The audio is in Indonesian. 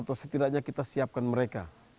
atau setidaknya kita siapkan mereka